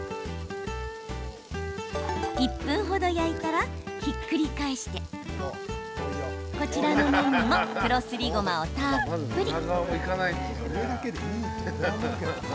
１分程焼いたら、ひっくり返してこちらの面にも黒すりごまをたっぷり。